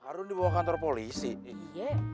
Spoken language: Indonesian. harus dibawa kantor polisi ini